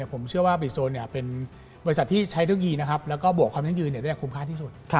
ผมเชื่อว่าบริโซนเป็นบริษัทที่ใช้ทุกยีและบวกความทั้งยืนได้คุ้มค่าที่สุด